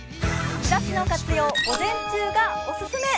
日ざしの活用、午前中がおすすめ。